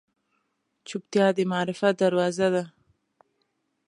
چوپتیا، د معرفت دروازه ده.